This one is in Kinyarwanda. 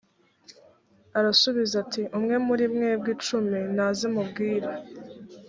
arabasubiza ati umwe muri mwebwe icumi naze mubwire